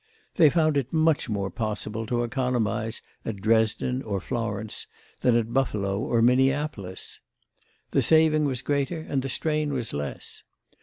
They found it much more possible to economise at Dresden or Florence than at Buffalo or Minneapolis. The saving was greater and the strain was less.